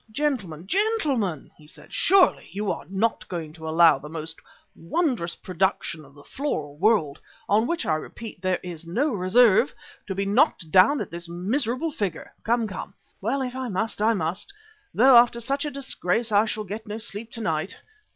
"Gentlemen, gentlemen!" he said, "surely you are not going to allow the most wondrous production of the floral world, on which I repeat there is no reserve, to be knocked down at this miserable figure. Come, come. Well, if I must, I must, though after such a disgrace I shall get no sleep to night.